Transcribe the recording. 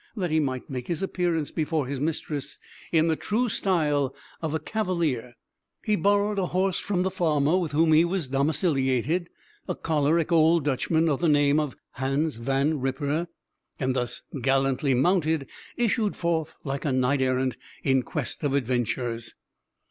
That he might make his appearance before his mistress in the true style of a cavalier, he borrowed a horse from the farmer with whom he was domiciliated, a choleric old Dutchman, of the name of Hans Van Ripper, and thus gallantly mounted, issued forth like a knight errant in quest of adventures.